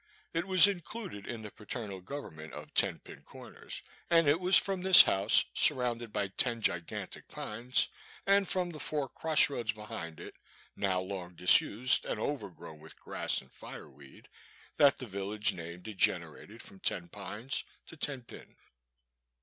It was included in the paternal govern ment of Ten Pin Comers, and it was from this house, surrounded by ten gigantic pines, and from the four cross roads behind it, now long disused and overgrown with grass and fireweed, that the village name degenerated from Ten Pines to Ten Pin.